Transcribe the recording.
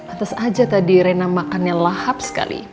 atas aja tadi rena makannya lahap sekali